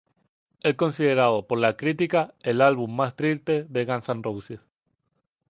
Es considerado por la crítica el álbum más triste de Guns N' Roses.